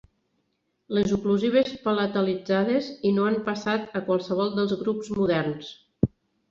Les oclusives palatalitzades i no han passat a qualsevol dels grups moderns.